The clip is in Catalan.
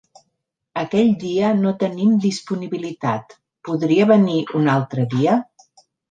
Aquell dia no tenim disponibilitat, podria venir un altre dia?